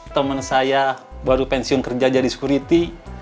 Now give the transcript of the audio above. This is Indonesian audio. teman saya baru pensiun kerja jadi security